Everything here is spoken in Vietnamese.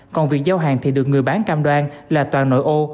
còn việc giao hàng thì được người bán cam đoan là toàn nội ô